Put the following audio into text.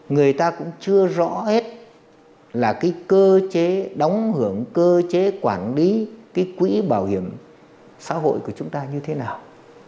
người ta cũng chưa rõ hết là cái cơ chế đóng hưởng cơ chế quản lý cái quỹ bảo hiểm xã hội của chúng ta như thế nào